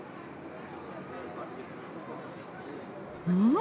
うん？